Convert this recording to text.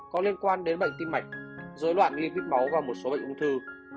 có liên quan đến bệnh tim mạch dối loạn ghi huyết máu và một số bệnh ung thư